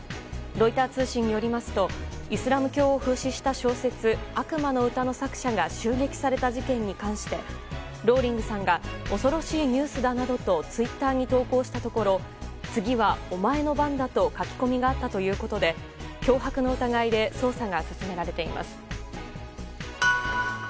ロイター通信によりますとイスラム教を風刺した小説「悪魔の詩」の作者が襲撃された事件に関してローリングさんが恐ろしいニュースだなどとツイッターに投稿したところ次はお前の番だと書き込みがあったということで脅迫の疑いで捜査が進められています。